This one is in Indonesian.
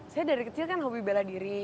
saya dari kecil kan hobi bela diri